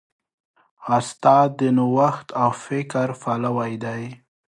استاد د نوښت او فکر پلوی دی.